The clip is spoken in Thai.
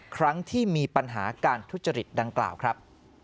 ครั้งที่มีปัญหาการทุจริตดังกล่าวครับ